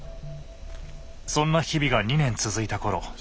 そんな日々が２年続いたころ